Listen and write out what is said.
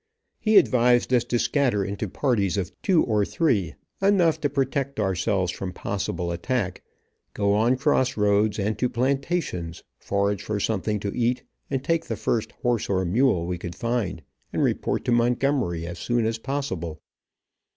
He advised us to scatter into parties of two or three, enough to protect ourselves from possible attack, go on cross roads, and to plantations, forage for something to eat, and take the first horse or mule we could find, and report to Montgomery as soon as possible.